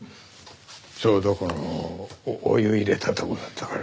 ちょうどこのお湯入れたとこだったから。